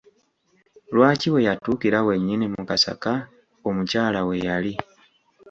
Lwaki we yatuukira wennyini mu kasaka omukyala we yali?